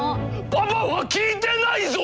パパは聞いてないぞ！